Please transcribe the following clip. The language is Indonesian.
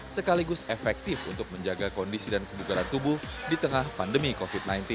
sekaligus efektif untuk menjaga kondisi dan kebugaran tubuh di tengah pandemi covid sembilan belas